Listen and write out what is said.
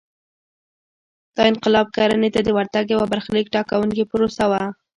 دا انقلاب کرنې ته د ورتګ یوه برخلیک ټاکونکې پروسه وه